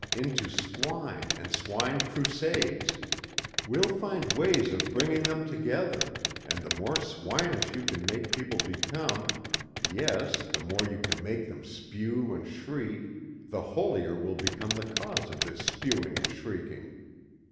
"Into swine and swine crusades. We'll find ways of bringing them together and the more swinish you can make people become, yes, the more you can make them spew and shriek, the holier will become the cause of this spewing and shrieking.